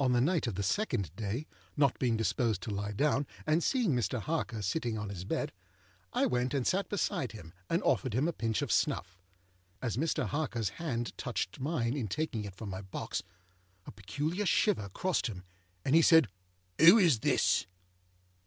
On the night of the second day, not being disposed to lie down, and seeing Mr. Harker sitting on his bed, I went and sat beside him, and offered him a pinch of snuff. As Mr. Harkerâs hand touched mine in taking it from my box, a peculiar shiver crossed him, and he said, âWho is this?